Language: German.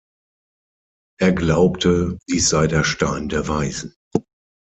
Er glaubte, dies sei der Stein der Weisen.